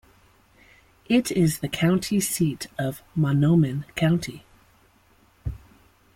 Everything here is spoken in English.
It is the county seat of Mahnomen County.